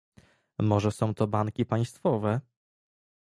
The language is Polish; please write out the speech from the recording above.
Może są to banki państwowe?